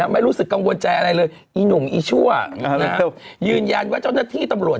ไม่รู้สึกกังวลใจอะไรเลยอีหนุ่มอีชั่วยืนยันว่าเจ้าหน้าที่ตำรวจ